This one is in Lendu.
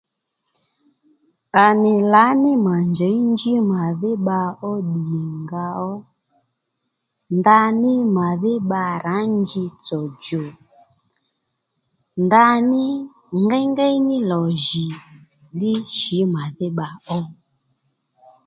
À nì lǎní mà njěy njí mà dhí bba ó ddìnga ó ndaní màdhí bba rǎ njitsò djò ndaní ngéy ngéy ní lò jì ddí shǐ màdhí bba ó